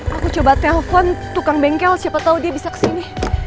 aku coba telepon tukang bengkel siapa tau dia bisa kesini